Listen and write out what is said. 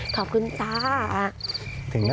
ขอบคุณจ้า